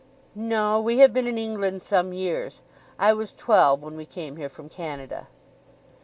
"No. We have been in England some years. I was twelve when we came here from Canada."